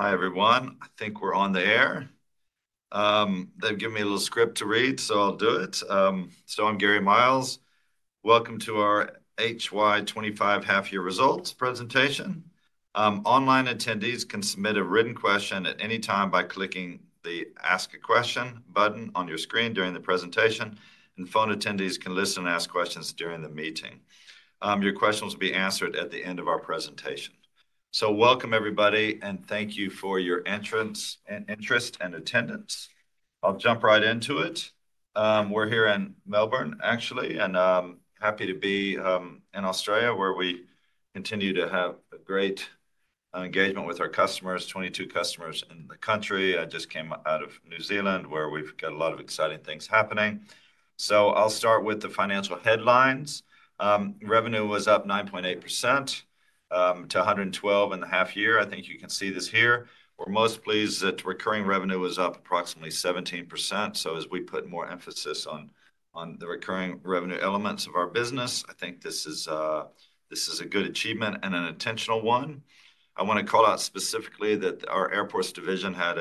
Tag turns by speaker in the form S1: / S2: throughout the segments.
S1: Hi, everyone. I think we're on the air. They've given me a little script to read, so I'll do it. So I'm Gary Miles. Welcome to our HY25 half-year results presentation. Online attendees can submit a written question at any time by clicking the Ask a Question button on your screen during the presentation, and phone attendees can listen and ask questions during the meeting. Your questions will be answered at the end of our presentation. Welcome, everybody, and thank you for your interest and attendance. I'll jump right into it. We're here in Melbourne, actually, and happy to be in Australia, where we continue to have a great engagement with our customers, 22 customers in the country. I just came out of New Zealand, where we've got a lot of exciting things happening. I'll start with the financial headlines. Revenue was up 9.8% to 112 million in the half-year. I think you can see this here. We're most pleased that recurring revenue was up approximately 17%. As we put more emphasis on the recurring revenue elements of our business, I think this is a good achievement and an intentional one. I want to call out specifically that our Airports Division had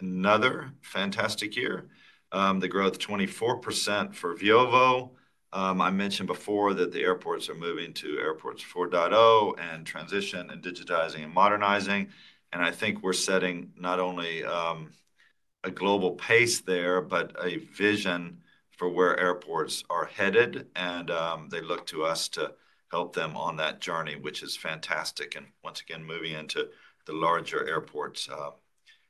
S1: another fantastic year. The growth was 24% for Veovo. I mentioned before that the airports are moving to Airports 4.0 and transition and digitizing and modernizing. I think we're setting not only a global pace there, but a vision for where airports are headed. They look to us to help them on that journey, which is fantastic. Once again, moving into the larger airports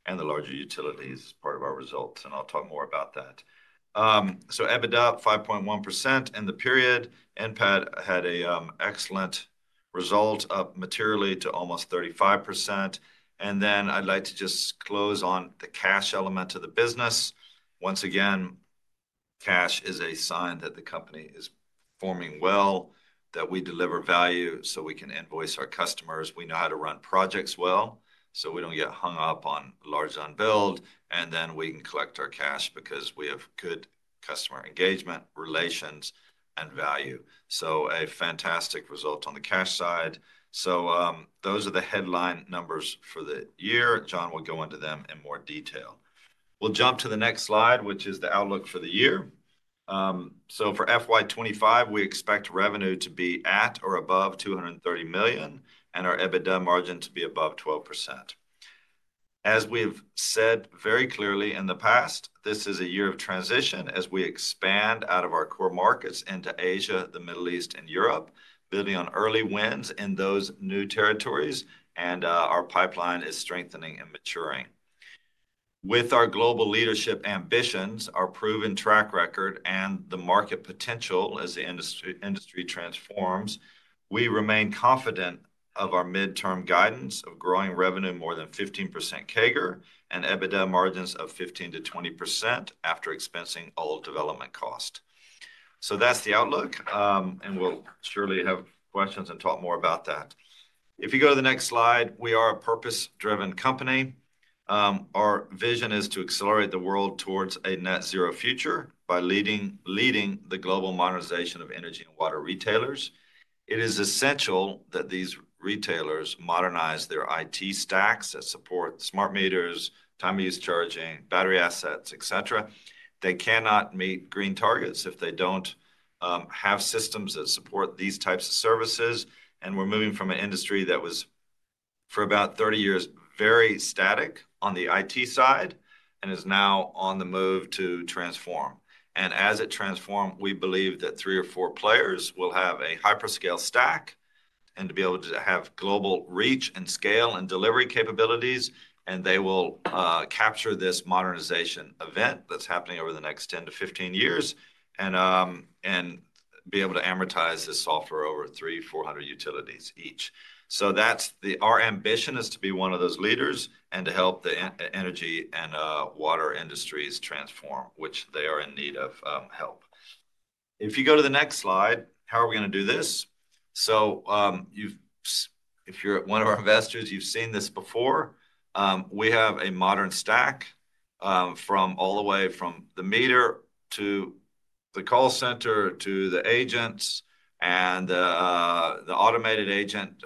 S1: and the larger utilities as part of our results. I'll talk more about that. EBITDA up 5.1% in the period. NPAT had an excellent result, up materially to almost 35%. I would like to just close on the cash element of the business. Once again, cash is a sign that the company is performing well, that we deliver value so we can invoice our customers. We know how to run projects well, so we do not get hung up on large unbilled. We can collect our cash because we have good customer engagement, relations, and value. A fantastic result on the cash side. Those are the headline numbers for the year. John will go into them in more detail. We will jump to the next slide, which is the outlook for the year. For FY2025, we expect revenue to be at or above 230 million and our EBITDA margin to be above 12%. As we've said very clearly in the past, this is a year of transition as we expand out of our core markets into Asia, the Middle East, and Europe, building on early wins in those new territories. Our pipeline is strengthening and maturing. With our global leadership ambitions, our proven track record, and the market potential as the industry transforms, we remain confident of our midterm guidance of growing revenue more than 15% CAGR and EBITDA margins of 15%-20% after expensing all development cost. That is the outlook, and we'll surely have questions and talk more about that. If you go to the next slide, we are a purpose-driven company. Our vision is to accelerate the world towards a net-zero future by leading the global modernization of energy and water retailers. It is essential that these retailers modernize their IT stacks that support smart meters, time-use charging, battery assets, etc. They cannot meet green targets if they do not have systems that support these types of services. We are moving from an industry that was for about 30 years very static on the IT side and is now on the move to transform. As it transforms, we believe that three or four players will have a hyperscale stack and be able to have global reach and scale and delivery capabilities. They will capture this modernization event that is happening over the next 10-15 years and be able to amortize this software over 300-400 utilities each. Our ambition is to be one of those leaders and to help the energy and water industries transform, which they are in need of help. If you go to the next slide, how are we going to do this? If you're one of our investors, you've seen this before. We have a modern stack from all the way from the meter to the call center to the agents and the automated agent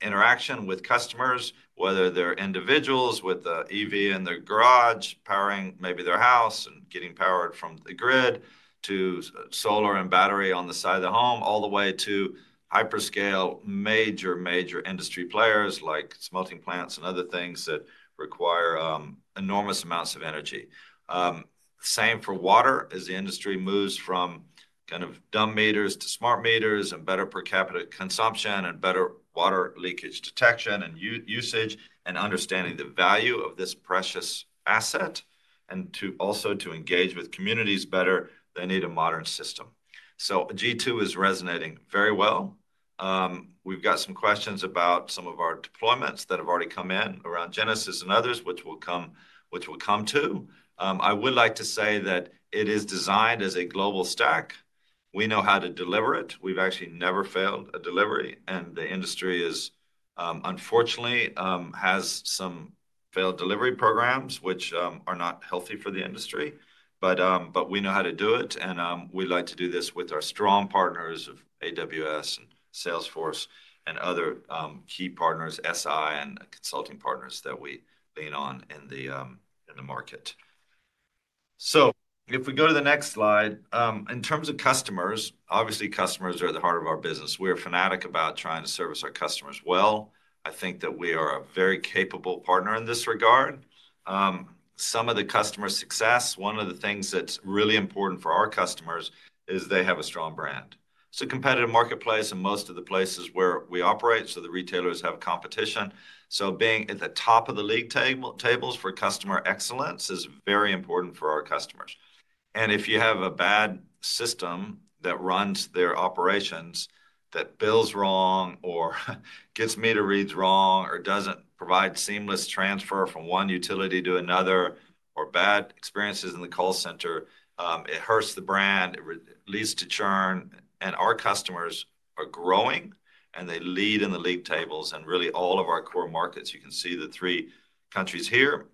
S1: interaction with customers, whether they're individuals with the EV in their garage powering maybe their house and getting powered from the grid to solar and battery on the side of the home, all the way to hyperscale major, major industry players like smelting plants and other things that require enormous amounts of energy. Same for water as the industry moves from kind of dumb meters to smart meters and better per capita consumption and better water leakage detection and usage and understanding the value of this precious asset and also to engage with communities better, they need a modern system. G2 is resonating very well. We've got some questions about some of our deployments that have already come in around Genesis and others, which we will come to. I would like to say that it is designed as a global stack. We know how to deliver it. We've actually never failed a delivery. The industry, unfortunately, has some failed delivery programs, which are not healthy for the industry. We know how to do it. We like to do this with our strong partners of AWS and Salesforce and other key partners, SI and consulting partners that we lean on in the market. If we go to the next slide, in terms of customers, obviously, customers are at the heart of our business. We are fanatic about trying to service our customers well. I think that we are a very capable partner in this regard. Some of the customer success, one of the things that's really important for our customers is they have a strong brand. It's a competitive marketplace in most of the places where we operate. The retailers have competition. Being at the top of the league tables for customer excellence is very important for our customers. If you have a bad system that runs their operations, that bills wrong or gets meter reads wrong or doesn't provide seamless transfer from one utility to another or bad experiences in the call center, it hurts the brand, it leads to churn. Our customers are growing, and they lead in the league tables in really all of our core markets. You can see the three countries here.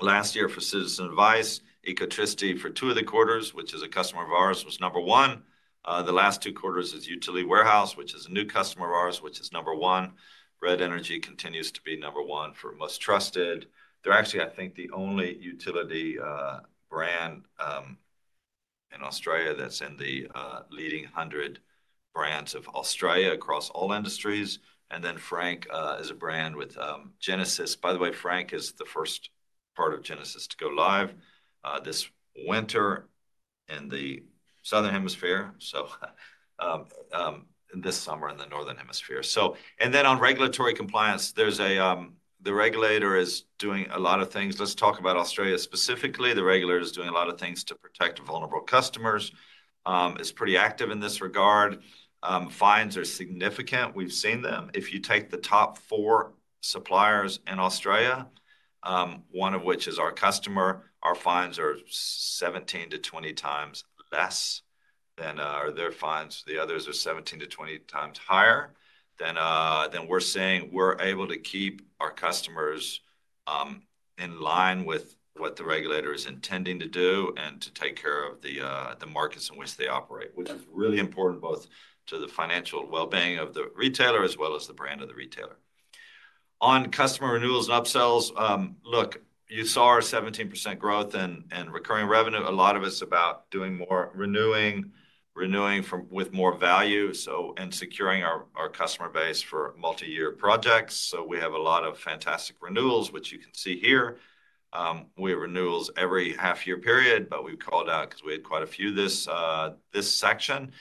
S1: Last year for Citizen Advice, Ecotricity for two of the quarters, which is a customer of ours, was number one. The last two quarters is Utility Warehouse, which is a new customer of ours, which is number one. Red Energy continues to be number one for most trusted. They're actually, I think, the only utility brand in Australia that's in the leading 100 brands of Australia across all industries. Frank is a brand with Genesis. By the way, Frank is the first part of Genesis to go live this winter in the Southern Hemisphere, so this summer in the Northern Hemisphere. On regulatory compliance, the regulator is doing a lot of things. Let's talk about Australia specifically. The regulator is doing a lot of things to protect vulnerable customers. It's pretty active in this regard. Fines are significant. We've seen them. If you take the top four suppliers in Australia, one of which is our customer, our fines are 17x-20x less than their fines. The others are 17x-20x higher than we're seeing. We're able to keep our customers in line with what the regulator is intending to do and to take care of the markets in which they operate, which is really important both to the financial well-being of the retailer as well as the brand of the retailer. On customer renewals and upsells, look, you saw our 17% growth in recurring revenue. A lot of it's about doing more, renewing with more value, and securing our customer base for multi-year projects. We have a lot of fantastic renewals, which you can see here. We have renewals every half-year period, but we've called out because we had quite a few this section.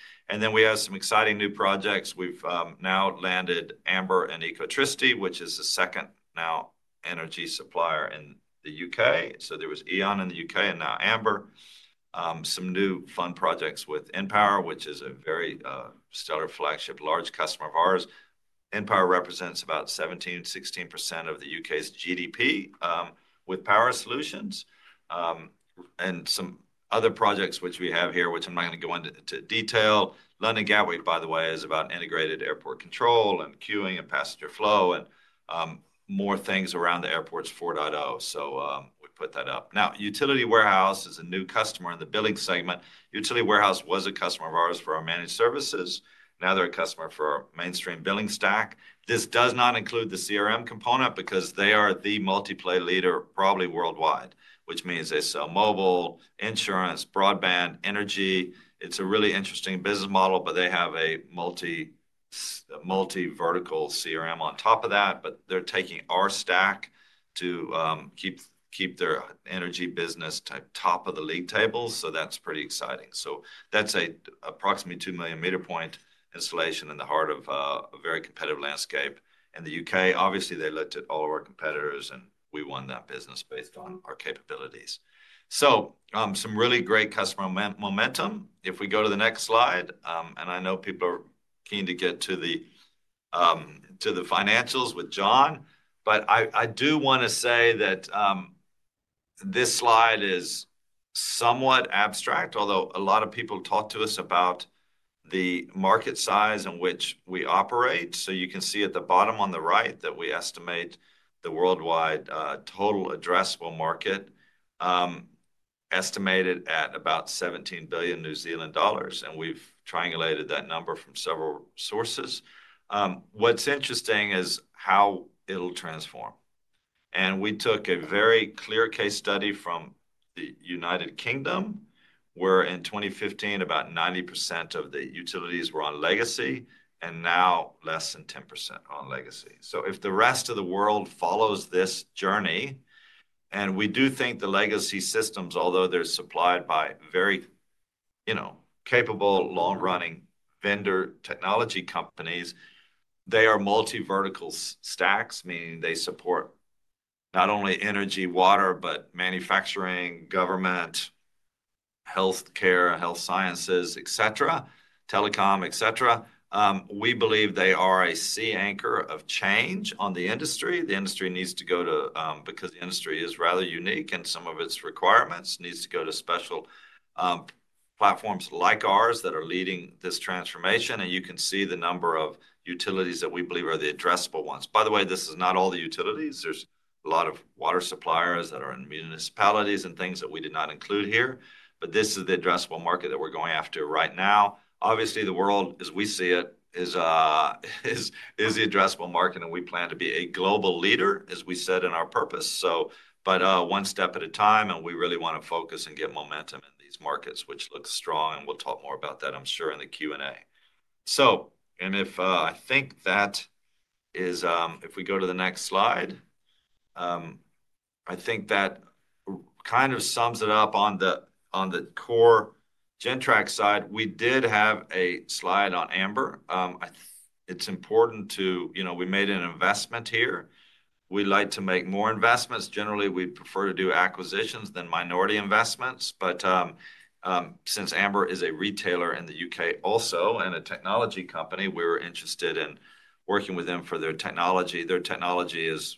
S1: We have some exciting new projects. We've now landed Amber and Ecotricity, which is the second now energy supplier in the U.K. There was E.ON in the U.K. and now Amber. Some new fun projects with NPower, which is a very stellar flagship large customer of ours. NPower represents about 17%-16% of the U.K.'s GDP with power solutions. Some other projects which we have here, which I'm not going to go into detail. London Gateway, by the way, is about integrated airport control and queuing and passenger flow and more things around the Airports 4.0. We put that up. Utility Warehouse is a new customer in the billing segment. Utility Warehouse was a customer of ours for our managed services. Now they're a customer for our mainstream billing stack. This does not include the CRM component because they are the multiplayer leader probably worldwide, which means they sell mobile, insurance, broadband, energy. It's a really interesting business model, but they have a multi-vertical CRM on top of that. They are taking our stack to keep their energy business top of the league tables. That's pretty exciting. That's an approximately 2 million meter point installation in the heart of a very competitive landscape in the U.K. Obviously, they looked at all of our competitors, and we won that business based on our capabilities. Some really great customer momentum. If we go to the next slide, I know people are keen to get to the financials with John, but I do want to say that this slide is somewhat abstract, although a lot of people talk to us about the market size in which we operate. You can see at the bottom on the right that we estimate the worldwide total addressable market estimated at about 17 billion New Zealand dollars. We have triangulated that number from several sources. What is interesting is how it will transform. We took a very clear case study from the U.K., where in 2015, about 90% of the utilities were on legacy and now less than 10% are on legacy. If the rest of the world follows this journey, and we do think the legacy systems, although they are supplied by very capable, long-running vendor technology companies, they are multi-vertical stacks, meaning they support not only energy, water, but manufacturing, government, healthcare, health sciences, telecom, etc. We believe they are a sea anchor of change on the industry. The industry needs to go to, because the industry is rather unique and some of its requirements need to go to special platforms like ours that are leading this transformation. You can see the number of utilities that we believe are the addressable ones. By the way, this is not all the utilities. There are a lot of water suppliers that are in municipalities and things that we did not include here. This is the addressable market that we are going after right now. Obviously, the world, as we see it, is the addressable market, and we plan to be a global leader, as we said in our purpose. One step at a time, and we really want to focus and get momentum in these markets, which looks strong, and we will talk more about that, I am sure, in the Q&A. If I think that is if we go to the next slide, I think that kind of sums it up on the core Gentrack side. We did have a slide on Amber. It's important to we made an investment here. We like to make more investments. Generally, we prefer to do acquisitions than minority investments. Since Amber is a retailer in the U.K. also and a technology company, we were interested in working with them for their technology. Their technology is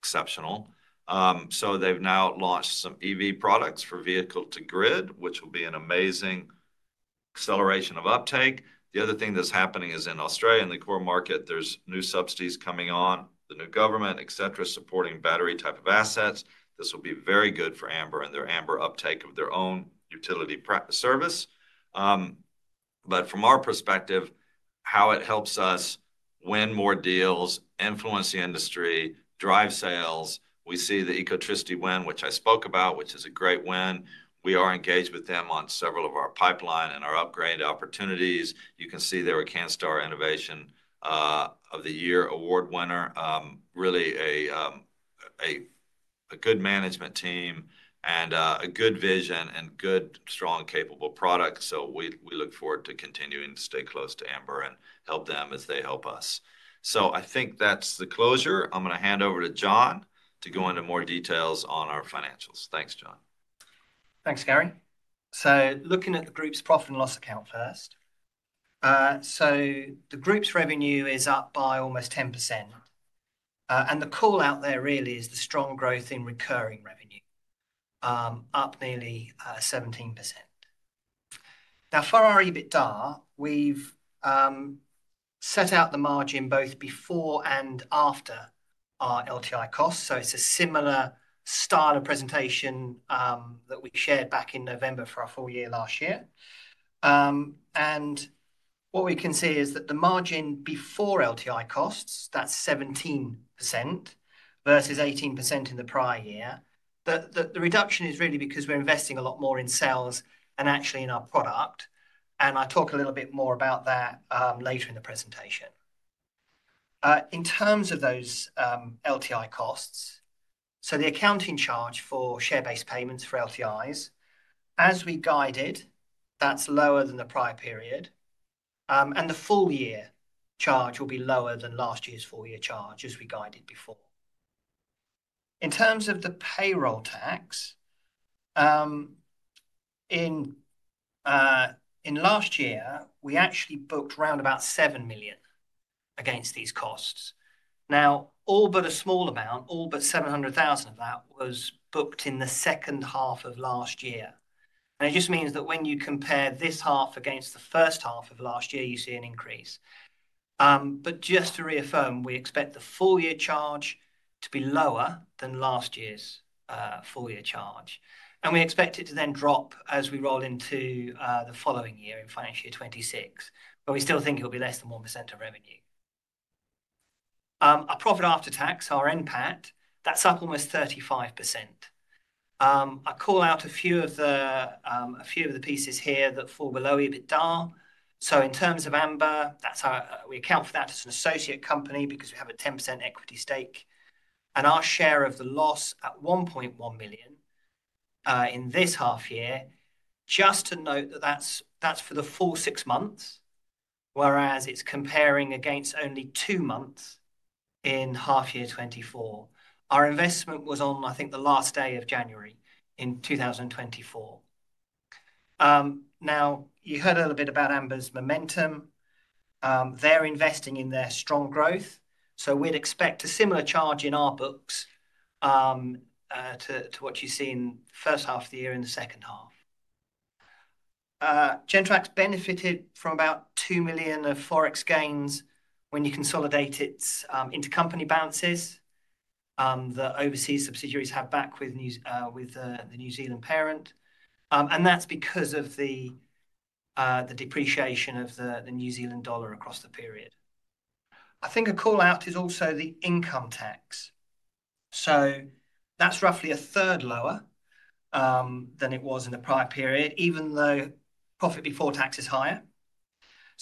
S1: exceptional. They've now launched some EV products for vehicle-to-grid, which will be an amazing acceleration of uptake. The other thing that's happening is in Australia, in the core market, there are new subsidies coming on, the new government, etc., supporting battery type of assets. This will be very good for Amber and their Amber uptake of their own utility service. From our perspective, how it helps us win more deals, influence the industry, drive sales. We see the Ecotricity win, which I spoke about, which is a great win. We are engaged with them on several of our pipeline and our upgrade opportunities. You can see they were Canstar Innovation of the Year award winner, really a good management team and a good vision and good, strong, capable product. We look forward to continuing to stay close to Amber and help them as they help us. I think that's the closure. I'm going to hand over to John to go into more details on our financials. Thanks, John.
S2: Thanks, Gary. Looking at the group's profit and loss account first. The group's revenue is up by almost 10%. The call out there really is the strong growth in recurring revenue, up nearly 17%.Now, for our EBITDA, we've set out the margin both before and after our LTI costs. It's a similar style of presentation that we shared back in November for our full year last year. What we can see is that the margin before LTI costs, that's 17% versus 18% in the prior year. The reduction is really because we're investing a lot more in sales and actually in our product. I'll talk a little bit more about that later in the presentation. In terms of those LTI costs, the accounting charge for share-based payments for LTIs, as we guided, that's lower than the prior period. The full year charge will be lower than last year's full year charge as we guided before. In terms of the payroll tax, in last year, we actually booked around 7 million against these costs. Now, all but a small amount, all but 700,000 of that was booked in the second half of last year. It just means that when you compare this half against the first half of last year, you see an increase. Just to reaffirm, we expect the full year charge to be lower than last year's full year charge. We expect it to then drop as we roll into the following year in financial year 2026, but we still think it will be less than 1% of revenue. Our profit after tax, our NPAT, that's up almost 35%. I'll call out a few of the pieces here that fall below EBITDA. In terms of Amber, we account for that as an associate company because we have a 10% equity stake. Our share of the loss at 1.1 million in this half year, just to note that that is for the full six months, whereas it is comparing against only two months in half year 2024. Our investment was on, I think, the last day of January in 2024. You heard a little bit about Amber's momentum. They are investing in their strong growth. We would expect a similar charge in our books to what you see in the first half of the year and the second half. Gentrack's benefited from about 2 million of Forex gains when you consolidate it into company balances. The overseas subsidiaries have back with the New Zealand parent. That is because of the depreciation of the New Zealand dollar across the period. I think a call out is also the income tax. That's roughly a third lower than it was in the prior period, even though profit before tax is higher.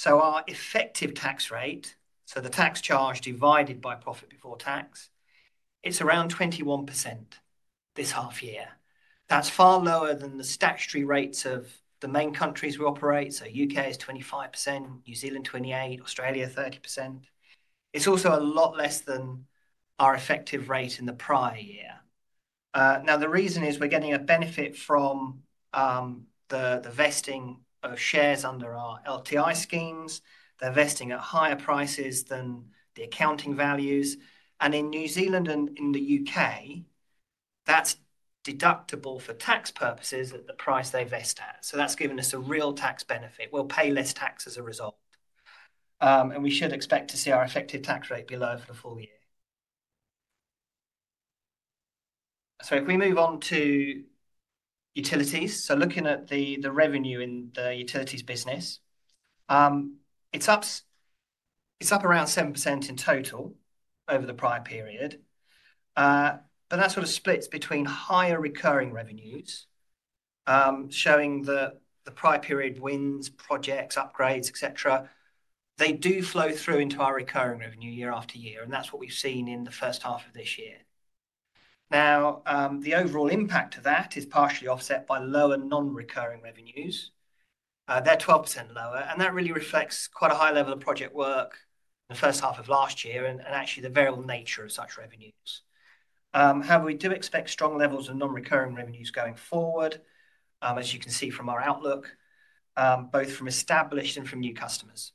S2: Our effective tax rate, so the tax charge divided by profit before tax, is around 21% this half year. That's far lower than the statutory rates of the main countries we operate. U.K. is 25%, New Zealand 28%, Australia 30%. It's also a lot less than our effective rate in the prior year. The reason is we're getting a benefit from the vesting of shares under our LTI schemes. They're vesting at higher prices than the accounting values. In New Zealand and in the U.K., that's deductible for tax purposes at the price they vest at. That's given us a real tax benefit. We'll pay less tax as a result. We should expect to see our effective tax rate be lower for the full year. If we move on to utilities, looking at the revenue in the utilities business, it is up around 7% in total over the prior period. That sort of splits between higher recurring revenues, showing the prior period wins, projects, upgrades, etc. They do flow through into our recurring revenue year after year, and that is what we have seen in the first half of this year. The overall impact of that is partially offset by lower non-recurring revenues. They are 12% lower, and that really reflects quite a high level of project work in the first half of last year and actually the variable nature of such revenues. However, we do expect strong levels of non-recurring revenues going forward, as you can see from our outlook, both from established and from new customers.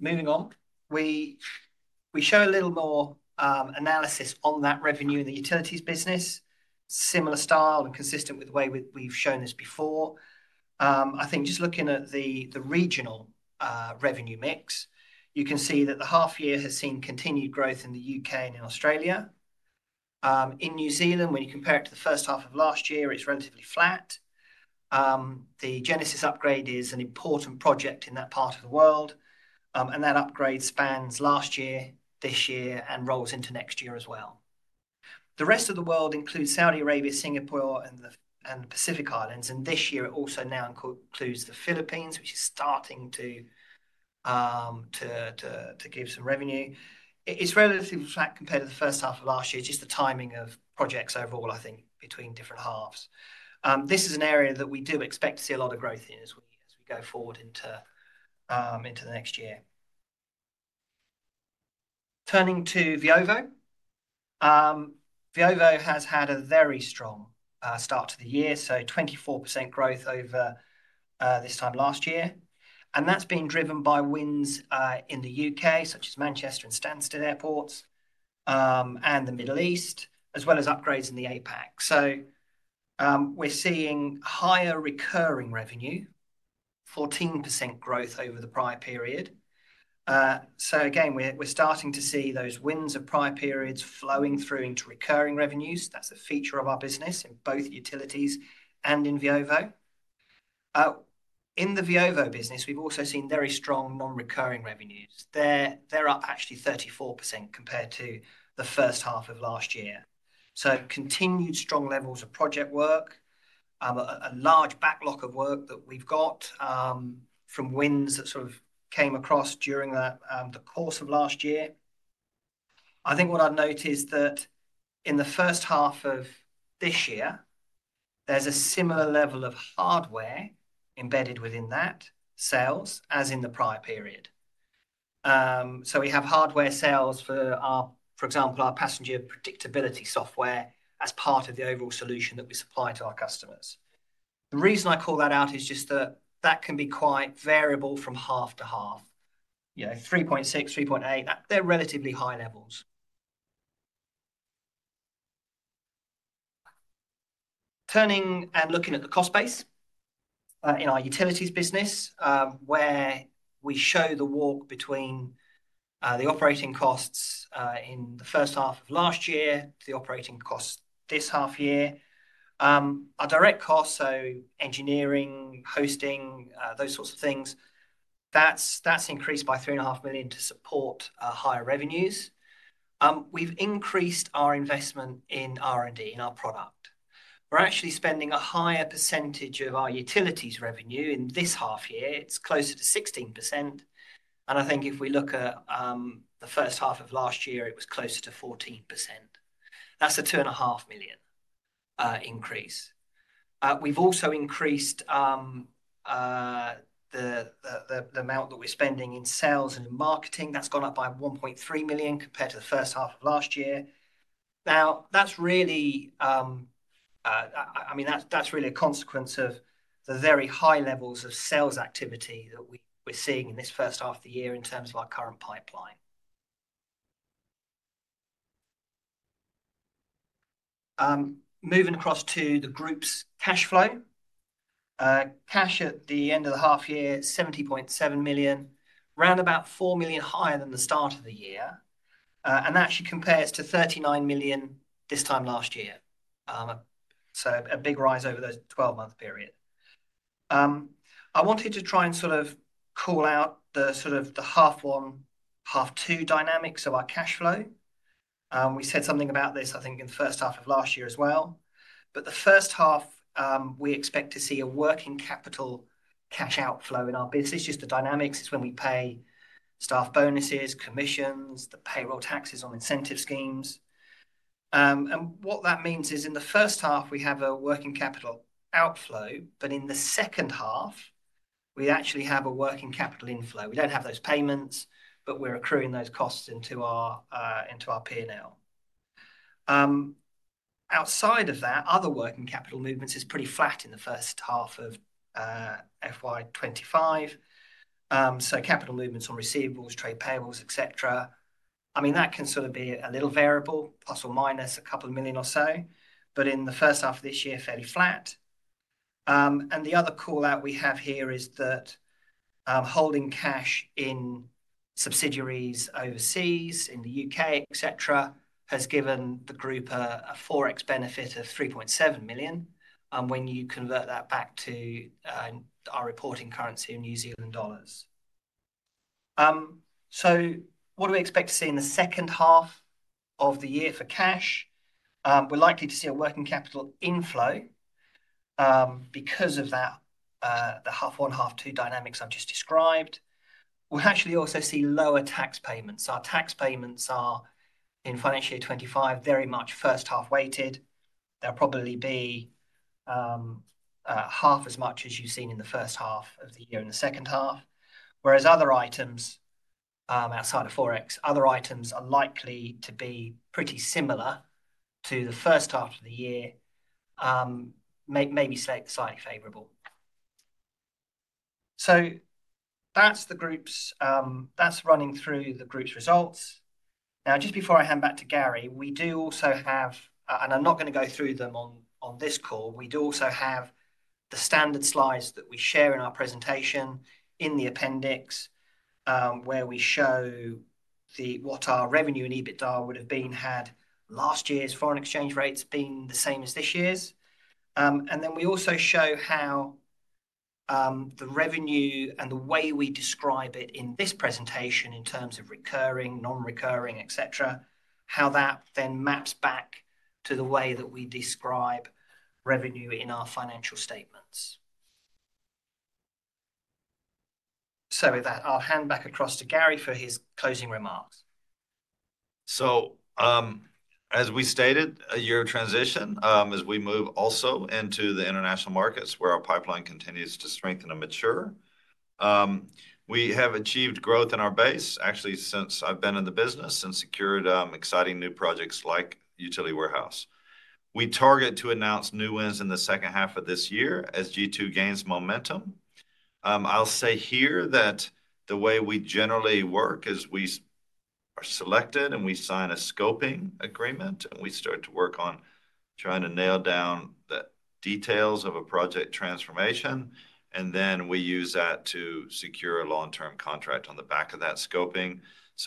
S2: Moving on, we show a little more analysis on that revenue in the utilities business, similar style and consistent with the way we've shown this before. I think just looking at the regional revenue mix, you can see that the half year has seen continued growth in the U.K. and in Australia. In New Zealand, when you compare it to the first half of last year, it's relatively flat. The Genesis upgrade is an important project in that part of the world, and that upgrade spans last year, this year, and rolls into next year as well. The rest of the world includes Saudi Arabia, Singapore, and the Pacific Islands. This year, it also now includes the Philippines, which is starting to give some revenue. It's relatively flat compared to the first half of last year, just the timing of projects overall, I think, between different halves. This is an area that we do expect to see a lot of growth in as we go forward into the next year. Turning to Veovo, Veovo has had a very strong start to the year, so 24% growth over this time last year. That has been driven by wins in the U.K., such as Manchester and Stansted airports, and the Middle East, as well as upgrades in the APAC. We are seeing higher recurring revenue, 14% growth over the prior period. Again, we are starting to see those wins of prior periods flowing through into recurring revenues. That is a feature of our business in both utilities and in Veovo. In the Veovo business, we have also seen very strong non-recurring revenues. They are up actually 34% compared to the first half of last year. Continued strong levels of project work, a large backlog of work that we've got from wins that sort of came across during the course of last year. I think what I've noticed is that in the first half of this year, there's a similar level of hardware embedded within that sales as in the prior period. We have hardware sales for, for example, our Passenger Predictability Software as part of the overall solution that we supply to our customers. The reason I call that out is just that that can be quite variable from half to half, 3.6, 3.8. They're relatively high levels. Turning and looking at the cost base in our utilities business, where we show the walk between the operating costs in the first half of last year to the operating costs this half year, our direct costs, so engineering, hosting, those sorts of things, that's increased by 3.5 million to support higher revenues. We've increased our investment in R&D, in our product. We're actually spending a higher percentage of our utilities revenue in this half year. It's closer to 16%. I think if we look at the first half of last year, it was closer to 14%. That's a 2.5 million increase. We've also increased the amount that we're spending in sales and in marketing. That's gone up by 1.3 million compared to the first half of last year. Now, that's really, I mean, that's really a consequence of the very high levels of sales activity that we're seeing in this first half of the year in terms of our current pipeline. Moving across to the group's cash flow. Cash at the end of the half year, 70.7 million, round about 4 million higher than the start of the year. That actually compares to 39 million this time last year. A big rise over that 12-month period. I wanted to try and sort of call out the half one, half two dynamics of our cash flow. We said something about this, I think, in the first half of last year as well. The first half, we expect to see a working capital cash outflow in our business. It's just the dynamics. It's when we pay staff bonuses, commissions, the payroll taxes on incentive schemes. What that means is in the first half, we have a working capital outflow, but in the second half, we actually have a working capital inflow. We do not have those payments, but we're accruing those costs into our P&L. Outside of that, other working capital movements is pretty flat in the first half of FY2025. Capital movements on receivables, trade payables, etc. can sort of be a little variable, plus or minus a couple of million or so, but in the first half of this year, fairly flat. The other call out we have here is that holding cash in subsidiaries overseas in the U.K., etc., has given the group a Forex benefit of 3.7 million when you convert that back to our reporting currency in New Zealand dollars. What do we expect to see in the second half of the year for cash? We're likely to see a working capital inflow because of the half one, half two dynamics I've just described. We'll actually also see lower tax payments. Our tax payments are in financial year 2025 very much first half weighted. There'll probably be half as much as you've seen in the first half of the year in the second half. Whereas other items outside of Forex, other items are likely to be pretty similar to the first half of the year, maybe slightly favorable. That's running through the group's results. Now, just before I hand back to Gary, we do also have, and I'm not going to go through them on this call, we do also have the standard slides that we share in our presentation in the appendix where we show what our revenue and EBITDA would have been had last year's foreign exchange rates been the same as this year's. We also show how the revenue and the way we describe it in this presentation in terms of recurring, non-recurring, etc., how that then maps back to the way that we describe revenue in our financial statements. With that, I'll hand back across to Gary for his closing remarks.
S1: As we stated, a year of transition as we move also into the international markets where our pipeline continues to strengthen and mature. We have achieved growth in our base actually since I've been in the business and secured exciting new projects like Utility Warehouse. We target to announce new wins in the second half of this year as G2 gains momentum. I'll say here that the way we generally work is we are selected and we sign a scoping agreement and we start to work on trying to nail down the details of a project transformation. We use that to secure a long-term contract on the back of that scoping.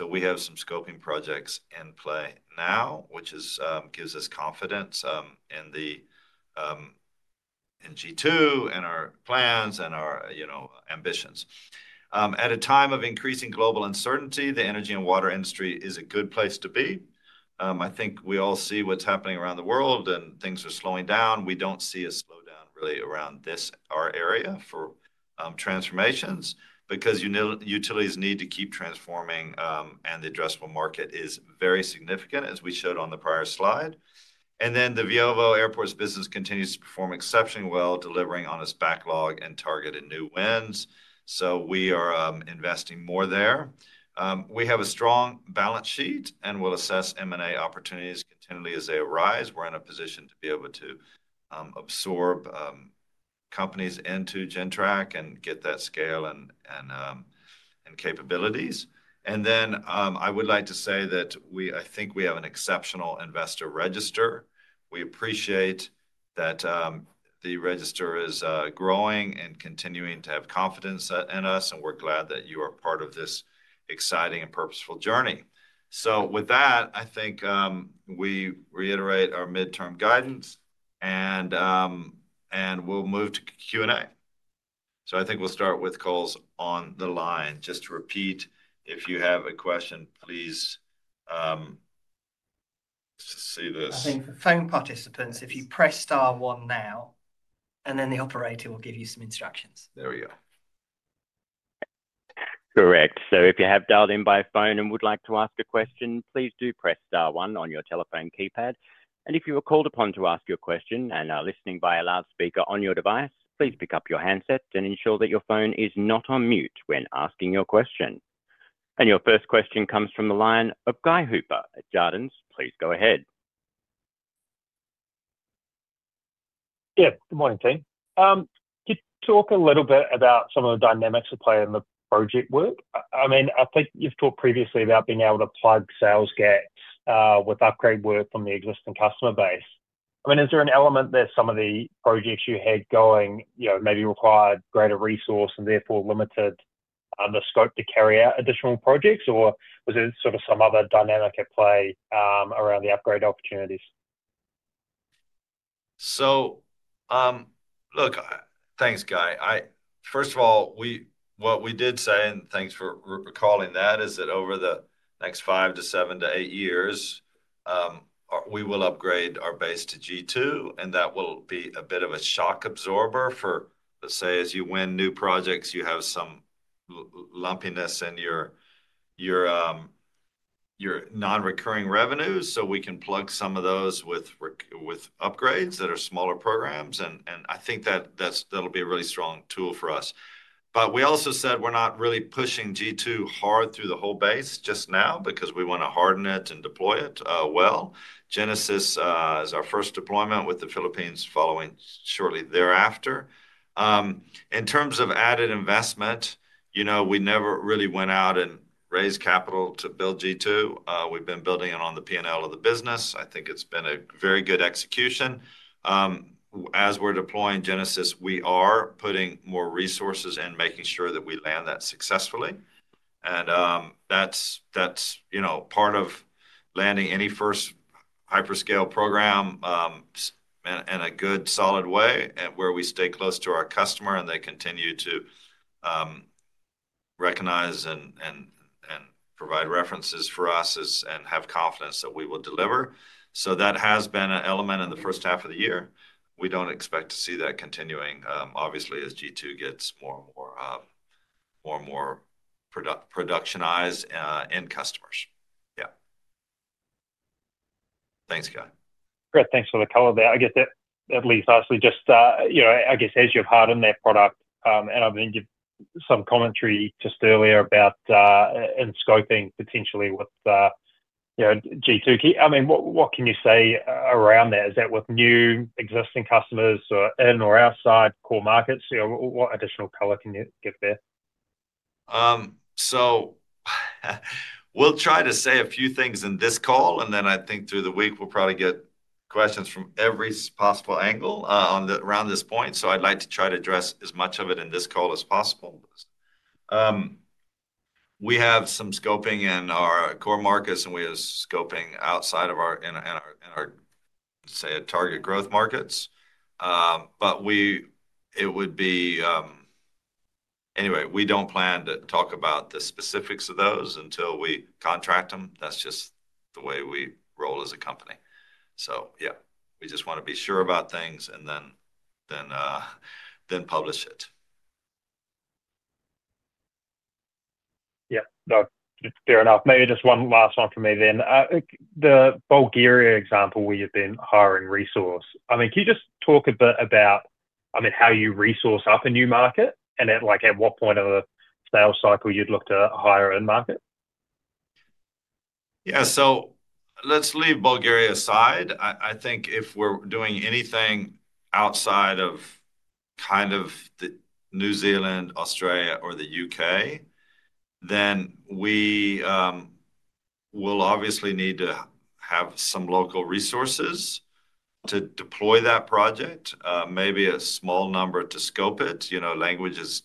S1: We have some scoping projects in play now, which gives us confidence in G2 and our plans and our ambitions. At a time of increasing global uncertainty, the energy and water industry is a good place to be. I think we all see what's happening around the world and things are slowing down. We do not see a slowdown really around our area for transformations because utilities need to keep transforming and the addressable market is very significant, as we showed on the prior slide. The Veovo Airports business continues to perform exceptionally well, delivering on its backlog and targeted new wins. We are investing more there. We have a strong balance sheet and we will assess M&A opportunities continually as they arise. We are in a position to be able to absorb companies into Gentrack and get that scale and capabilities. I would like to say that I think we have an exceptional investor register. We appreciate that the register is growing and continuing to have confidence in us, and we are glad that you are part of this exciting and purposeful journey. With that, I think we reiterate our midterm guidance and we will move to Q&A. I think we'll start with calls on the line. Just to repeat, if you have a question, please see this.
S2: I think the phone participants, if you press star one now, the operator will give you some instructions.
S1: There we go.
S3: Correct. If you have dialed in by phone and would like to ask a question, please do press star one on your telephone keypad. If you are called upon to ask your question and are listening via loudspeaker on your device, please pick up your handset and ensure that your phone is not on mute when asking your question. Your first question comes from the line of Guy Hooper at Jarden. Please go ahead.
S4: Yeah. Good morning, team. Could you talk a little bit about some of the dynamics at play in the project work? I mean, I think you've talked previously about being able to plug sales gaps with upgrade work from the existing customer base. I mean, is there an element there some of the projects you had going maybe required greater resource and therefore limited the scope to carry out additional projects, or was it sort of some other dynamic at play around the upgrade opportunities?
S1: Look, thanks, Guy. First of all, what we did say, and thanks for recalling that, is that over the next five to seven to eight years, we will upgrade our base to G2, and that will be a bit of a shock absorber for, let's say, as you win new projects, you have some lumpiness in your non-recurring revenues. We can plug some of those with upgrades that are smaller programs, and I think that'll be a really strong tool for us. We also said we're not really pushing G2 hard through the whole base just now because we want to harden it and deploy it well. Genesis is our first deployment with the Philippines following shortly thereafter. In terms of added investment, we never really went out and raised capital to build G2. We've been building it on the P&L of the business. I think it's been a very good execution. As we're deploying Genesis, we are putting more resources and making sure that we land that successfully. That is part of landing any first hyperscale program in a good solid way where we stay close to our customer and they continue to recognize and provide references for us and have confidence that we will deliver. That has been an element in the first half of the year. We do not expect to see that continuing, obviously, as G2 gets more and more productionized and customers. Yeah. Thanks, Guy.
S4: Great. Thanks for the color there. I guess that at least, actually, just I guess as you have hardened their product, and I have heard some commentary just earlier about scoping potentially with G2. I mean, what can you say around that? Is that with new existing customers or in or outside core markets? What additional color can you get there?
S1: We will try to say a few things in this call, and then I think through the week, we will probably get questions from every possible angle around this point. I would like to try to address as much of it in this call as possible. We have some scoping in our core markets, and we have scoping outside of our, say, target growth markets. It would be anyway, we do not plan to talk about the specifics of those until we contract them. That is just the way we roll as a company. Yeah, we just want to be sure about things and then publish it.
S4: Yeah. Fair enough. Maybe just one last one for me then. The Bulgaria example where you have been hiring resource. I mean, can you just talk a bit about, I mean, how you resource up a new market and at what point of the sales cycle you would look to hire in market?
S1: Yeah. Let us leave Bulgaria aside. I think if we are doing anything outside of kind of New Zealand, Australia, or the U.K., then we will obviously need to have some local resources to deploy that project, maybe a small number to scope it. Language is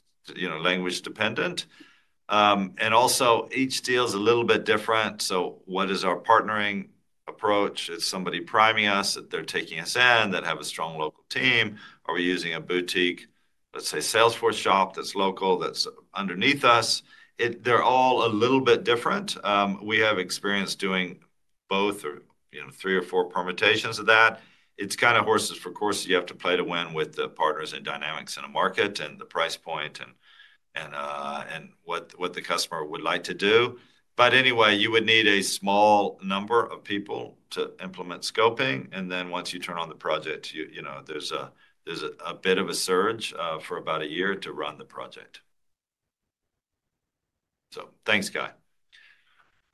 S1: language-dependent. Also, each deal is a little bit different. What is our partnering approach? Is somebody priming us that they're taking us in, that have a strong local team? Are we using a boutique, let's say, Salesforce shop that's local that's underneath us? They're all a little bit different. We have experience doing both or three or four permutations of that. It's kind of horses for course. You have to play to win with the partners and dynamics in a market and the price point and what the customer would like to do. Anyway, you would need a small number of people to implement scoping. Once you turn on the project, there's a bit of a surge for about a year to run the project. Thanks, Guy.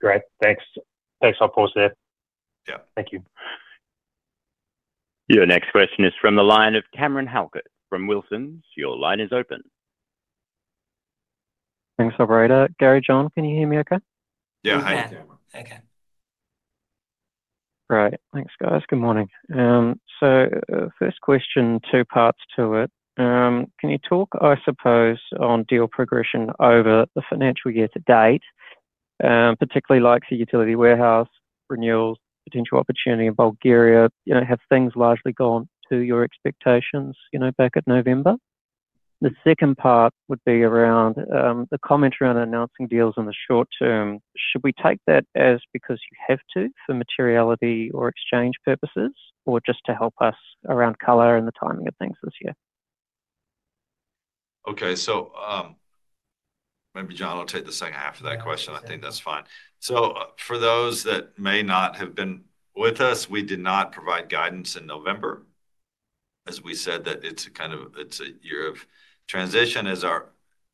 S4: Great. Thanks. Thanks, of course, there. Thank you.
S3: Your next question is from the line of Cameron Halkett from Wilsons. Your line is open.
S5: Thanks, Albregt. Gary, John, can you hear me okay?
S1: Yeah. Hi, Cameron.
S5: Okay. Great. Thanks, guys. Good morning. First question, two parts to it. Can you talk, I suppose, on deal progression over the financial year to date, particularly like the Utility Warehouse renewals, potential opportunity in Bulgaria? Have things largely gone to your expectations back at November? The second part would be around the commentary on announcing deals in the short term. Should we take that as because you have to for materiality or exchange purposes or just to help us around color and the timing of things this year?
S1: Okay. Maybe, John, I'll take the second half of that question. I think that's fine. For those that may not have been with us, we did not provide guidance in November, as we said that it's a year of transition as our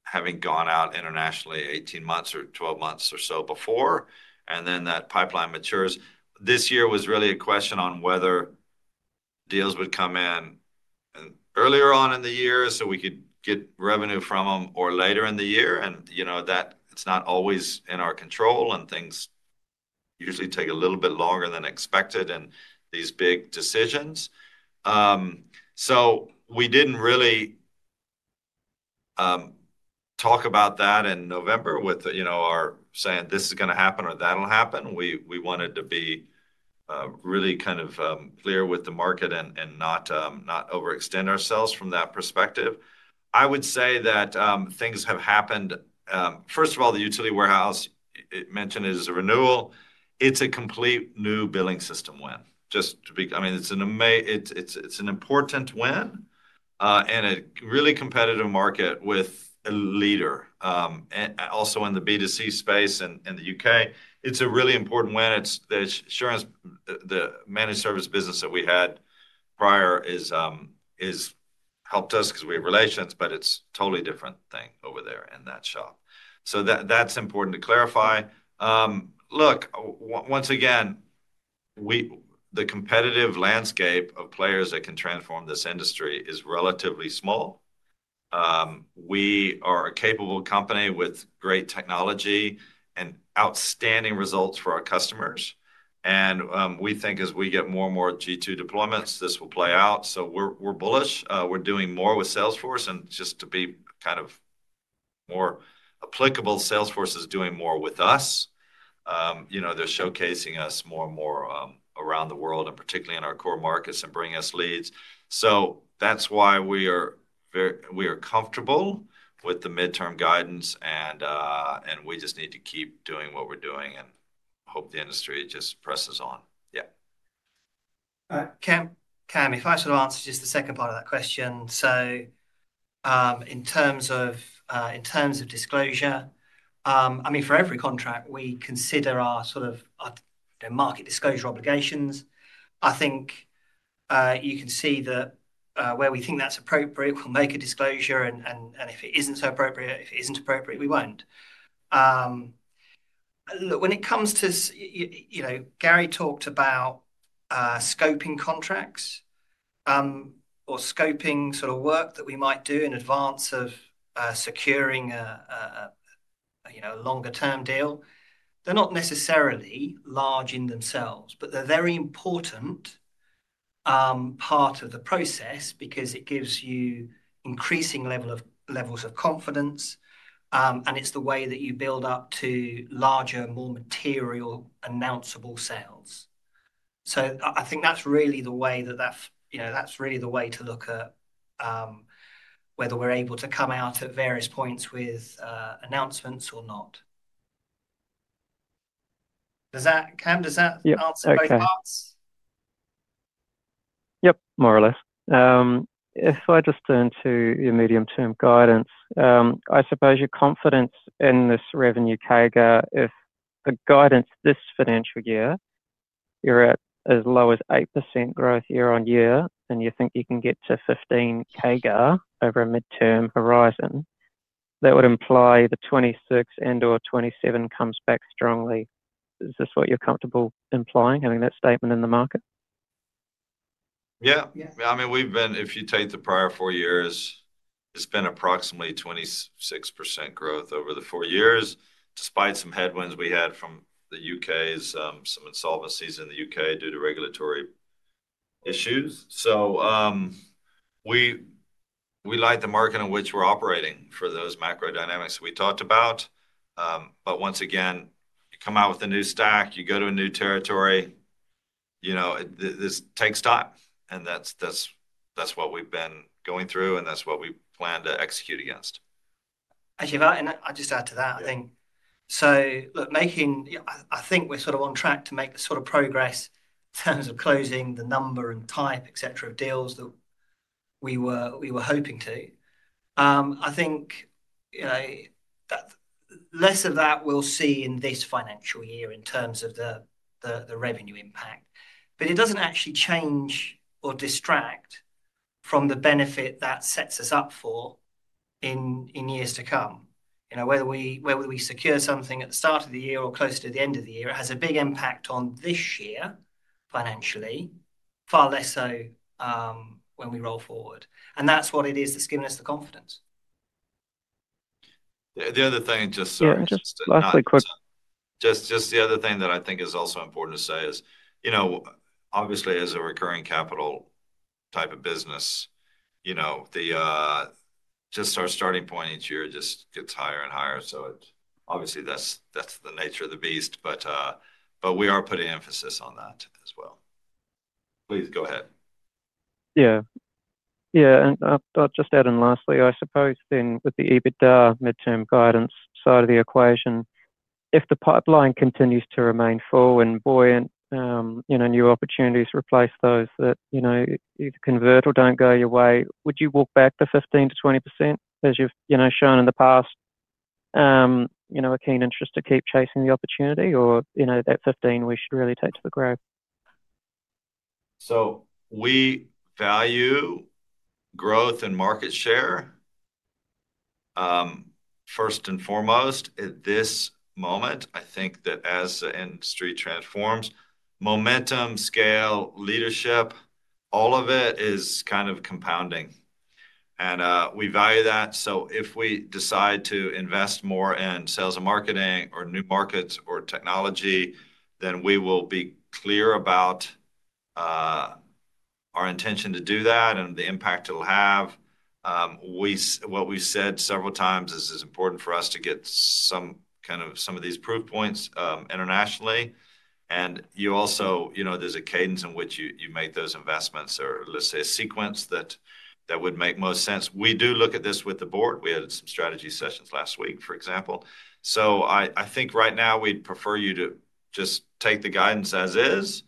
S1: having gone out internationally 18 months or 12 months or so before, and then that pipeline matures. This year was really a question on whether deals would come in earlier on in the year so we could get revenue from them or later in the year. It's not always in our control, and things usually take a little bit longer than expected in these big decisions. We didn't really talk about that in November with our saying, "This is going to happen or that'll happen." We wanted to be really kind of clear with the market and not overextend ourselves from that perspective. I would say that things have happened. First of all, the Utility Warehouse, it mentioned it is a renewal. It's a complete new billing system win. I mean, it's an important win in a really competitive market with a leader. Also in the B2C space in the U.K., it's a really important win. The managed service business that we had prior has helped us because we have relations, but it's a totally different thing over there in that shop. That's important to clarify. Look, once again, the competitive landscape of players that can transform this industry is relatively small. We are a capable company with great technology and outstanding results for our customers. We think as we get more and more G2 deployments, this will play out. We're bullish. We're doing more with Salesforce. Just to be kind of more applicable, Salesforce is doing more with us. They're showcasing us more and more around the world and particularly in our core markets and bringing us leads. That's why we are comfortable with the midterm guidance, and we just need to keep doing what we're doing and hope the industry just presses on. Yeah.
S2: Cam, if I should answer just the second part of that question. In terms of disclosure, I mean, for every contract, we consider our sort of market disclosure obligations. I think you can see that where we think that's appropriate, we'll make a disclosure. If it isn't appropriate, we won't. Look, when it comes to Gary talked about scoping contracts or scoping sort of work that we might do in advance of securing a longer-term deal. They're not necessarily large in themselves, but they're a very important part of the process because it gives you increasing levels of confidence, and it's the way that you build up to larger, more material, announceable sales. I think that's really the way to look at whether we're able to come out at various points with announcements or not. Cam, does that answer both parts?
S5: Yep, more or less. If I just turn to your medium-term guidance, I suppose your confidence in this revenue CAGR, if the guidance this financial year you're at as low as 8% growth year on year, and you think you can get to 15% CAGR over a midterm horizon, that would imply the 2026 and/or 2027 comes back strongly. Is this what you're comfortable implying, having that statement in the market?
S1: Yeah. I mean, if you take the prior four years, it's been approximately 26% growth over the four years, despite some headwinds we had from the U.K., some insolvencies in the U.K. due to regulatory issues. We like the market in which we're operating for those macro dynamics we talked about. Once again, you come out with a new stack, you go to a new territory, this takes time. That's what we've been going through, and that's what we plan to execute against.
S2: Okay. I'll just add to that. I think, so look, I think we're sort of on track to make the sort of progress in terms of closing the number and type, etc., of deals that we were hoping to. I think less of that we'll see in this financial year in terms of the revenue impact. It does not actually change or distract from the benefit that sets us up for in years to come. Whether we secure something at the start of the year or close to the end of the year, it has a big impact on this year financially, far less so when we roll forward. That is what it is that has given us the confidence.
S1: The other thing,
S5: just lastly,
S1: just the other thing that I think is also important to say is, obviously, as a recurring capital type of business, just our starting point each year just gets higher and higher. Obviously, that is the nature of the beast. We are putting emphasis on that as well. Please go ahead.
S5: Yeah. Yeah. I'll just add in lastly, I suppose, then with the EBITDA midterm guidance side of the equation, if the pipeline continues to remain full and buoyant and new opportunities replace those that either convert or do not go your way, would you walk back the 15%-20% as you've shown in the past? A keen interest to keep chasing the opportunity or that 15% we should really take to the growth?
S1: We value growth and market share first and foremost at this moment. I think that as the industry transforms, momentum, scale, leadership, all of it is kind of compounding. We value that. If we decide to invest more in sales and marketing or new markets or technology, then we will be clear about our intention to do that and the impact it'll have. What we've said several times is it's important for us to get some of these proof points internationally. Also, there's a cadence in which you make those investments or, let's say, a sequence that would make most sense. We do look at this with the board. We had some strategy sessions last week, for example. I think right now, we'd prefer you to just take the guidance as is.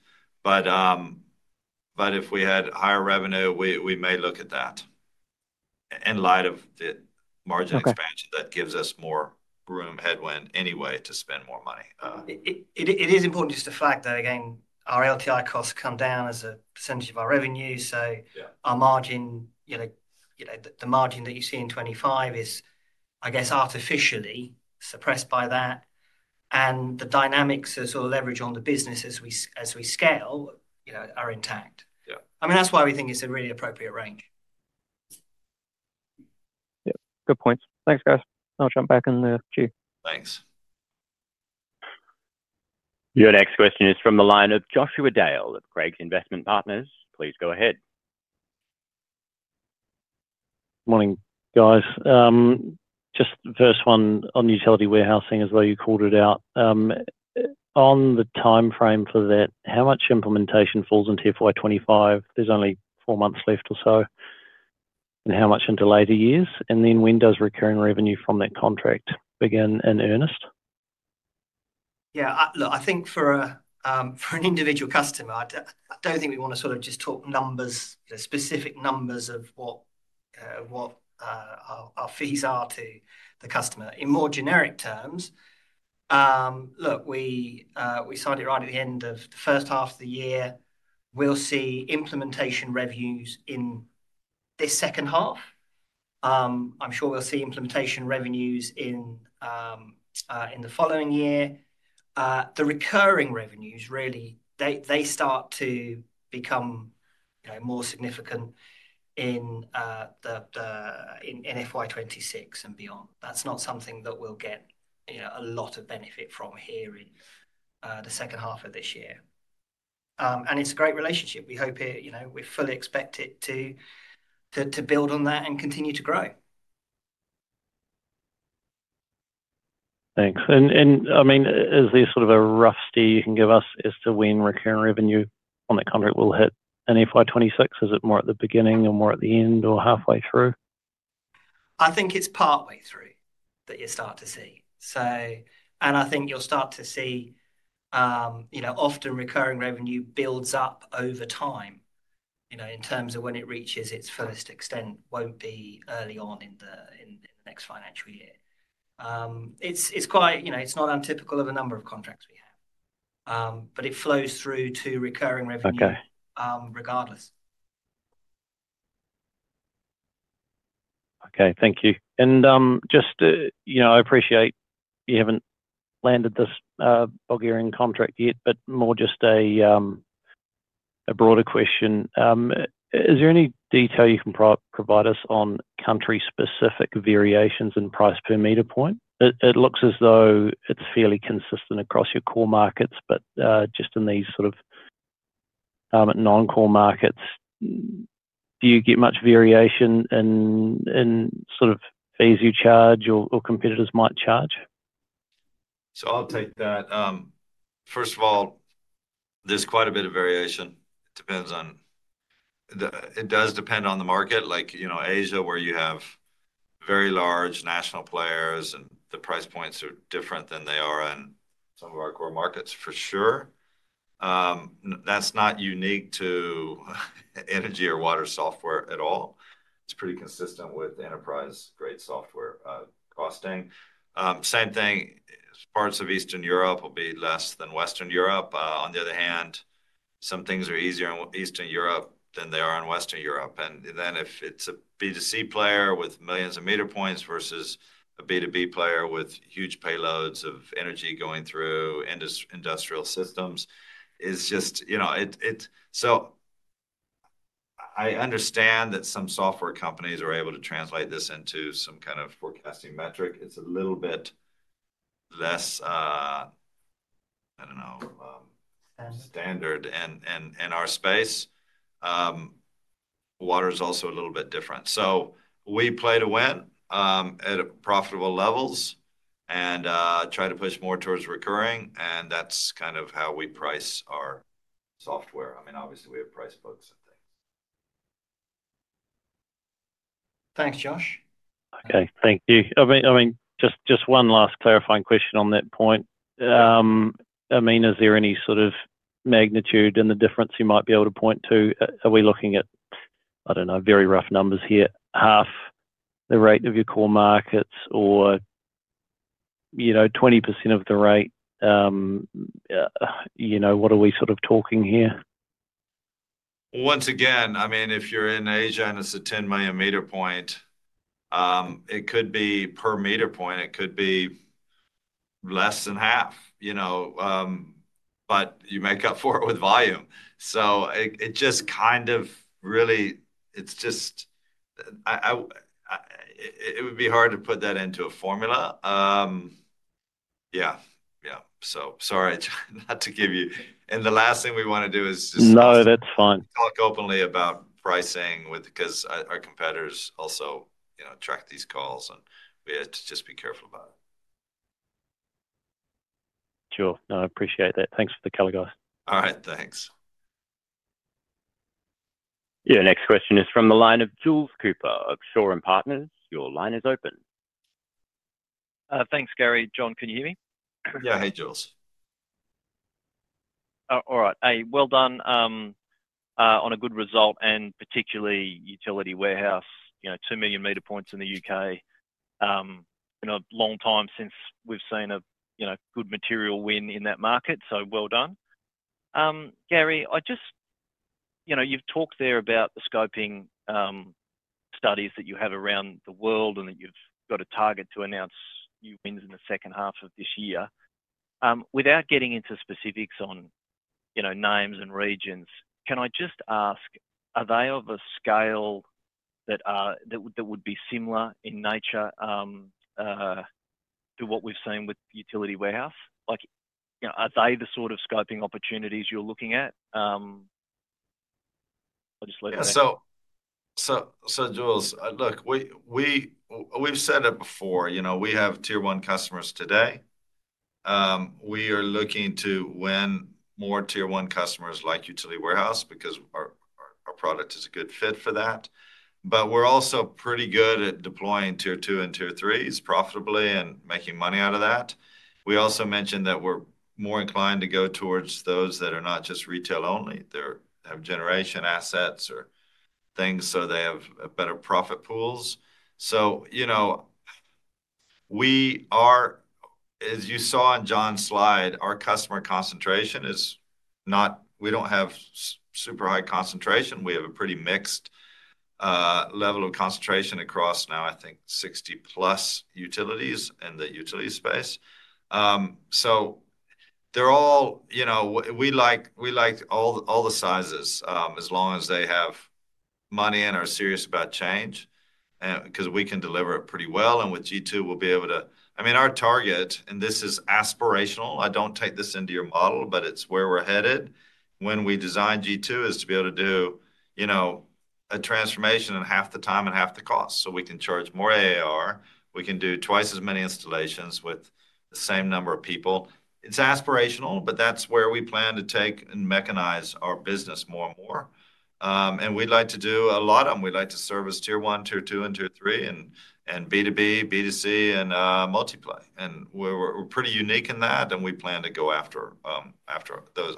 S1: If we had higher revenue, we may look at that in light of the margin expansion that gives us more room headwind anyway to spend more money.
S2: It is important just the fact that, again, our LTI costs come down as a percentage of our revenue. Our margin, the margin that you see in 2025 is, I guess, artificially suppressed by that. The dynamics as well leverage on the business as we scale are intact. I mean, that's why we think it's a really appropriate range.
S5: Yeah. Good points. Thanks, guys. I'll jump back in there, too.
S1: Thanks.
S3: Your next question is from the line of Joshua Dale of Craigs Investment Partners. Please go ahead.
S6: Morning, guys. Just the first one on Utility Warehouse as well. You called it out. On the timeframe for that, how much implementation falls into FY25? There's only four months left or so. And how much into later years? When does recurring revenue from that contract begin in earnest?
S2: Yeah. Look, I think for an individual customer, I don't think we want to sort of just talk numbers, specific numbers of what our fees are to the customer. In more generic terms, look, we signed it right at the end of the first half of the year. We'll see implementation revenues in this second half. I'm sure we'll see implementation revenues in the following year. The recurring revenues, really, they start to become more significant in FY2026 and beyond. That's not something that we'll get a lot of benefit from here in the second half of this year. It's a great relationship. We hope it. We fully expect it to build on that and continue to grow.
S6: Thanks. I mean, is there sort of a rough estimate you can give us as to when recurring revenue on the contract will hit in FY2026? Is it more at the beginning or more at the end or halfway through?
S2: I think it's partway through that you start to see. I think you'll start to see often recurring revenue builds up over time in terms of when it reaches its fullest extent won't be early on in the next financial year. It's not untypical of a number of contracts we have, but it flows through to recurring revenue regardless.
S6: Okay. Thank you. I appreciate you haven't landed this Bulgarian contract yet, but more just a broader question. Is there any detail you can provide us on country-specific variations in price per meter point? It looks as though it's fairly consistent across your core markets, but just in these sort of non-core markets, do you get much variation in sort of fees you charge or competitors might charge?
S1: I'll take that. First of all, there's quite a bit of variation. It does depend on the market, like Asia, where you have very large national players, and the price points are different than they are in some of our core markets, for sure. That's not unique to energy or water software at all. It's pretty consistent with enterprise-grade software costing. Same thing, parts of Eastern Europe will be less than Western Europe. On the other hand, some things are easier in Eastern Europe than they are in Western Europe. If it's a B2C player with millions of meter points versus a B2B player with huge payloads of energy going through industrial systems, it's just so I understand that some software companies are able to translate this into some kind of forecasting metric. It's a little bit less, I don't know, standard in our space. Water is also a little bit different. We play to win at profitable levels and try to push more towards recurring. That's kind of how we price our software. I mean, obviously, we have price books and things.
S2: Thanks, Josh.
S6: Okay. Thank you. I mean, just one last clarifying question on that point. I mean, is there any sort of magnitude in the difference you might be able to point to? Are we looking at, I don't know, very rough numbers here, half the rate of your core markets or 20% of the rate? What are we sort of talking here?
S1: I mean, if you're in Asia and it's a 10 million meter point, it could be per meter point. It could be less than half. But you make up for it with volume. It just kind of really would be hard to put that into a formula. Yeah. Yeah. Sorry not to give you, and the last thing we want to do is just.
S6: No, that's fine.
S1: Talk openly about pricing because our competitors also track these calls, and we have to just be careful about it.
S6: Sure. No, I appreciate that. Thanks for the call, guys.
S1: All right. Thanks.
S3: Your next question is from the line of Jules Cooper of Shaw and Partners. Your line is open.
S7: Thanks, Gary. John, can you hear me?
S1: Yeah. Hey, Jules.
S7: All right. Hey, well done on a good result and particularly Utility Warehouse, 2 million meter points in the U.K. A long time since we've seen a good material win in that market. So well done. Gary, you've talked there about the scoping studies that you have around the world and that you've got a target to announce new wins in the second half of this year. Without getting into specifics on names and regions, can I just ask, are they of a scale that would be similar in nature to what we've seen with Utility Warehouse? Are they the sort of scoping opportunities you're looking at? I'll just let you know. Yeah.
S1: Jules, look, we've said it before. We have tier-one customers today. We are looking to win more tier-one customers like Utility Warehouse because our product is a good fit for that. We're also pretty good at deploying tier-two and tier-threes profitably and making money out of that. We also mentioned that we're more inclined to go towards those that are not just retail only. They have generation assets or things, so they have better profit pools. As you saw on John's slide, our customer concentration is not, we don't have super high concentration. We have a pretty mixed level of concentration across now, I think, 60-plus utilities in the utility space. We like all the sizes as long as they have money in or are serious about change because we can deliver it pretty well. With G2, we'll be able to, I mean, our target, and this is aspirational. I do not take this into your model, but it is where we are headed. When we design G2, it is to be able to do a transformation in half the time and half the cost so we can charge more ARR. We can do twice as many installations with the same number of people. It is aspirational, but that is where we plan to take and mechanize our business more and more. We would like to do a lot of them. We would like to service tier-one, tier-two, and tier-three, and B2B, B2C, and multiply. We are pretty unique in that, and we plan to go after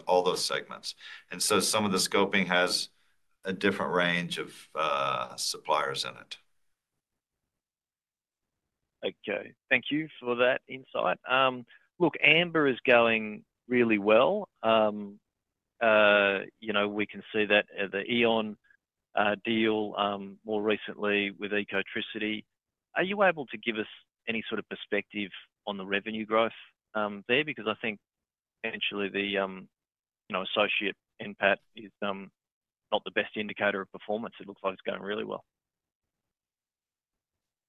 S1: all those segments. Some of the scoping has a different range of suppliers in it.
S7: Okay. Thank you for that insight. Look, Amber is going really well. We can see that at the E.ON deal more recently with Ecotricity. Are you able to give us any sort of perspective on the revenue growth there? Because I think, actually, the associate impact is not the best indicator of performance. It looks like it's going really well.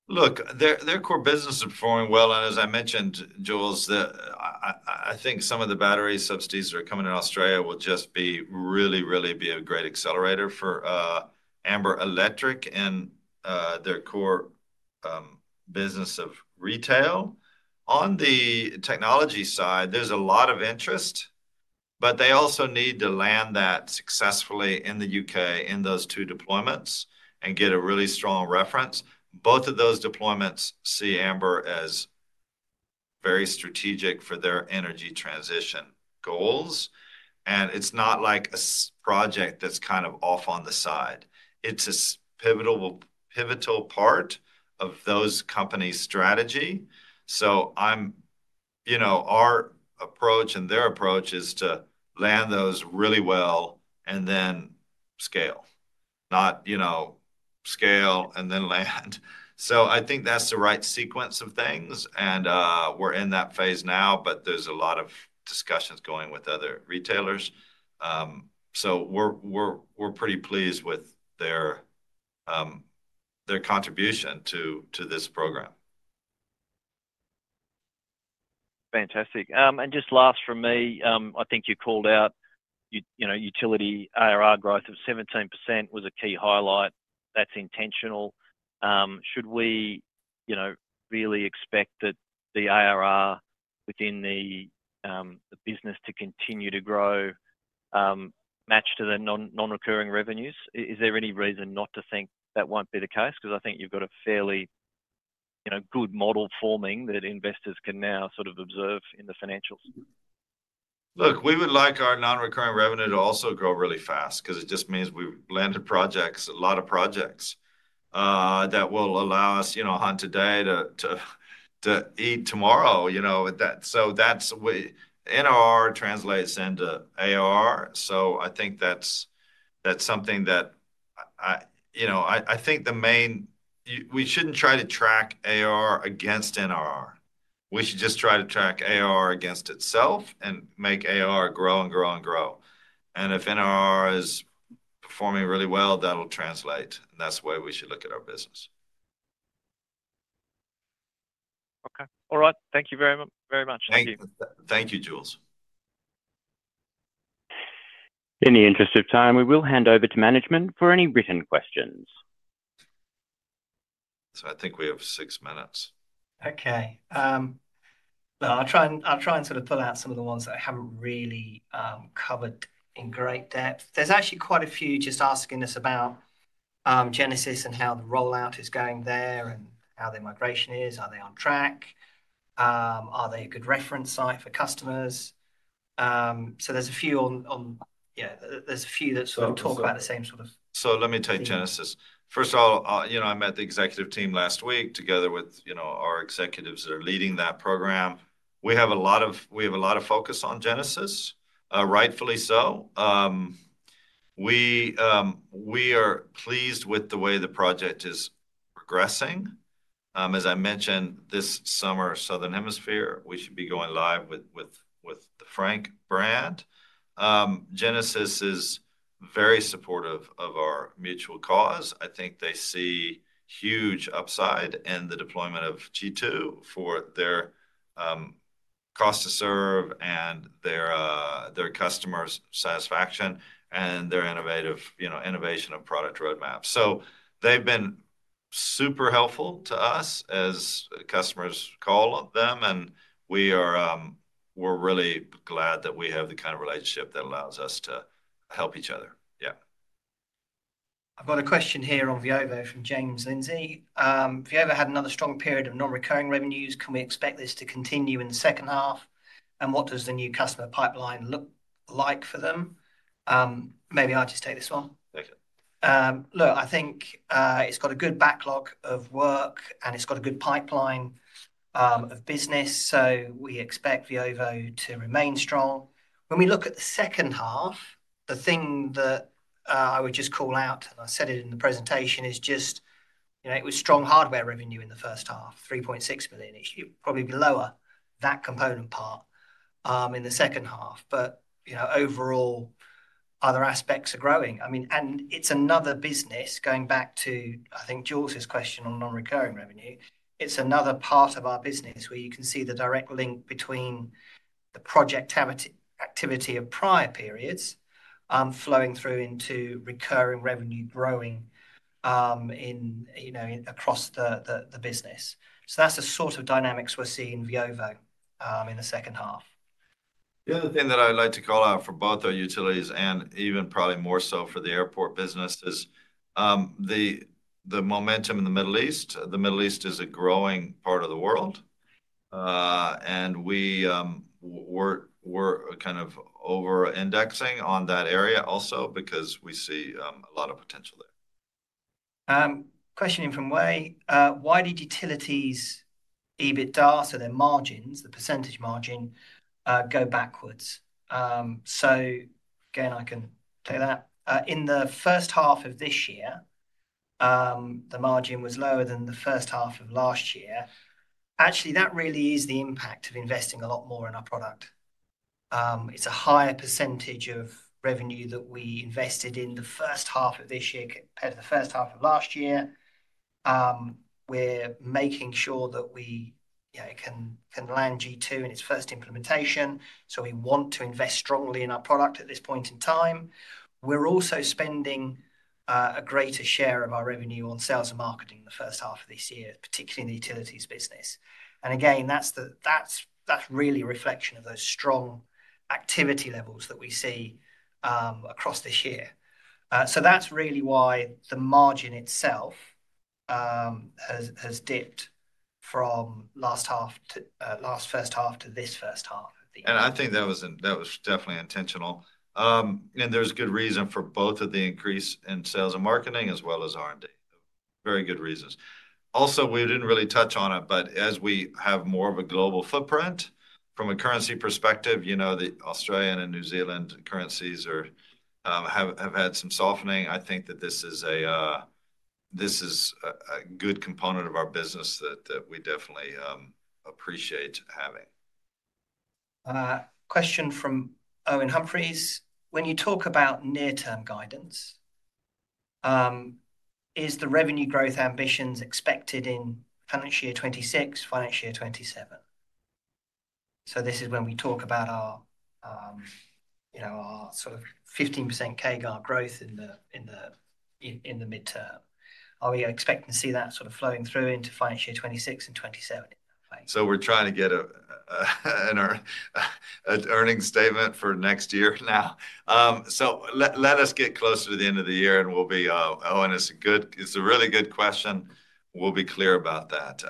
S1: Look, their core business is performing well. As I mentioned, Jules, I think some of the battery subsidies that are coming in Australia will just really, really be a great accelerator for Amber Electric and their core business of retail. On the technology side, there's a lot of interest, but they also need to land that successfully in the U.K. in those two deployments and get a really strong reference. Both of those deployments see Amber as very strategic for their energy transition goals. It is not like a project that's kind of off on the side. It's a pivotal part of those companies' strategy. Our approach and their approach is to land those really well and then scale, not scale and then land. I think that's the right sequence of things. We're in that phase now, but there's a lot of discussions going with other retailers. We're pretty pleased with their contribution to this program. Fantastic.
S7: Just last from me, I think you called out utility ARR growth of 17% was a key highlight. That's intentional. Should we really expect that the ARR within the business to continue to grow matched to the non-recurring revenues? Is there any reason not to think that won't be the case? I think you've got a fairly good model forming that investors can now sort of observe in the financials.
S1: Look, we would like our non-recurring revenue to also grow really fast because it just means we've landed a lot of projects that will allow us to hunt today to eat tomorrow. That NRR translates into ARR. I think the main thing is we shouldn't try to track ARR against NRR. We should just try to track ARR against itself and make ARR grow and grow and grow. If NRR is performing really well, that'll translate. That is the way we should look at our business.
S7: Okay. All right. Thank you very much. Thank you.
S1: Thank you, Jules.
S3: In the interest of time, we will hand over to management for any written questions.
S1: I think we have six minutes.
S2: Okay. I'll try and sort of fill out some of the ones that I haven't really covered in great depth. There's actually quite a few just asking us about Genesis and how the rollout is going there and how their migration is. Are they on track? Are they a good reference site for customers? There's a few that sort of talk about the same sort of.
S1: Let me take Genesis. First of all, I met the executive team last week together with our executives that are leading that program. We have a lot of focus on Genesis, rightfully so. We are pleased with the way the project is progressing. As I mentioned, this summer, Southern Hemisphere, we should be going live with the Frank brand. Genesis is very supportive of our mutual cause. I think they see huge upside in the deployment of G2 for their cost-to-serve and their customer satisfaction and their innovation of product roadmap. They've been super helpful to us as customers call them. We're really glad that we have the kind of relationship that allows us to help each other. Yeah.
S2: I've got a question here on Veovo from James Lindsay. Veovo had another strong period of non-recurring revenues. Can we expect this to continue in the second half? What does the new customer pipeline look like for them? Maybe I'll just take this one. Look, I think it's got a good backlog of work, and it's got a good pipeline of business. We expect Veovo to remain strong. When we look at the second half, the thing that I would just call out, and I said it in the presentation, is just it was strong hardware revenue in the first half, 3.6 million. It should probably be lower, that component part, in the second half. Overall, other aspects are growing. I mean, and it's another business going back to, I think, Jules's question on non-recurring revenue. It's another part of our business where you can see the direct link between the project activity of prior periods flowing through into recurring revenue growing across the business. That's the sort of dynamics we're seeing in Veovo in the second half.
S1: The other thing that I'd like to call out for both our utilities and even probably more so for the airport business is the momentum in the Middle East. The Middle East is a growing part of the world. We're kind of over-indexing on that area also because we see a lot of potential there.
S2: Question in from Wai. Why did utilities' EBITDA, so their margins, the percentage margin, go backwards? Again, I can take that. In the first half of this year, the margin was lower than the first half of last year. Actually, that really is the impact of investing a lot more in our product. It's a higher percentage of revenue that we invested in the first half of this year compared to the first half of last year. We're making sure that we can land G2 in its first implementation. We want to invest strongly in our product at this point in time. We're also spending a greater share of our revenue on sales and marketing in the first half of this year, particularly in the utilities business. That is really a reflection of those strong activity levels that we see across this year. That is really why the margin itself has dipped from last first half to this first half of the year.
S1: I think that was definitely intentional. There is good reason for both of the increase in sales and marketing as well as R&D. Very good reasons. Also, we did not really touch on it, but as we have more of a global footprint from a currency perspective, the Australian and New Zealand currencies have had some softening. I think that this is a good component of our business that we definitely appreciate having.
S2: Question from Owen Humphries. When you talk about near-term guidance, is the revenue growth ambitions expected in financial year 2026, financial year 2027? This is when we talk about our sort of 15% CAGR growth in the midterm. Are we expecting to see that sort of flowing through into financial year 2026 and 2027?
S1: We are trying to get an earnings statement for next year now. Let us get closer to the end of the year, and Owen, it's a really good question. We'll be clear about that.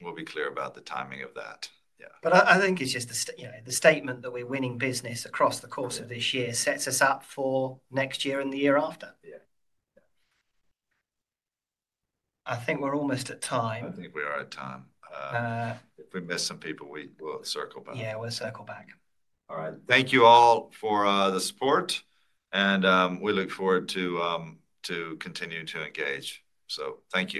S1: We'll be clear about the timing of that.
S2: Yeah. I think it's just the statement that we're winning business across the course of this year sets us up for next year and the year after. Yeah. I think we're almost at time.
S1: I think we are at time. If we miss some people, we'll circle back.
S2: Yeah, we'll circle back. All right.
S1: Thank you all for the support. We look forward to continuing to engage. Thank you.